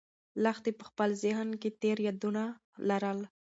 لښتې په خپل ذهن کې تېر یادونه لرل.